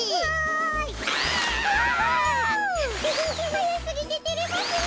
はやすぎててれますねえ！